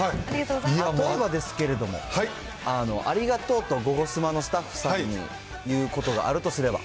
例えばですけれども、ありがとうと、ゴゴスマのスタッフさんに言うことがあるとすれば。